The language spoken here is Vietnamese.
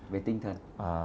về tinh thần